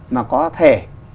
mà có thể